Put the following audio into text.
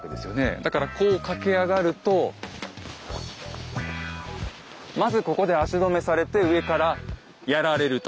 だからこう駆け上がるとまずここで足止めされて上からやられると。